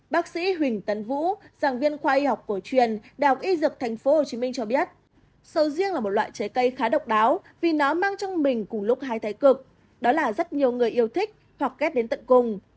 bác sĩ huỳnh tấn vũ giảng viên khoa y học cổ truyền đại học y dược tp hcm cho biết sầu riêng là một loại trái cây khá độc đáo vì nó mang trong mình cùng lúc hai thái cực đó là rất nhiều người yêu thích hoặc ghép đến tận cùng